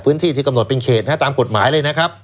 พื้นที่ที่กำหนดเป็นเขตนะตามกฎหมายเลยนะครับ